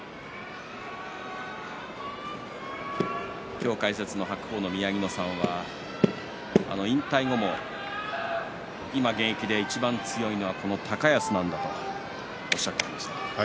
今日解説の白鵬の宮城野さんは引退後も今、現役でいちばん強いのは高安なんだとおっしゃっていました。